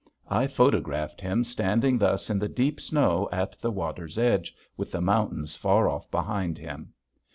I photographed him standing thus in the deep snow at the water's edge with the mountains far off behind him.